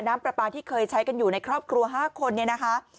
น้ำปลาปลาที่เคยใช้กันอยู่ในครอบครัว๕คนเนี่ยนะคะ